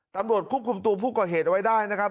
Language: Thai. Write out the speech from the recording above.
ตำรวจควบคุมตัวผู้ก่อเหตุเอาไว้ได้นะครับ